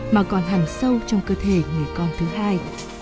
mà còn hẳn sâu trong cơ thể người con thứ hai